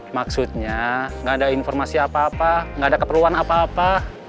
maksudnya nggak ada informasi apa apa nggak ada keperluan apa apa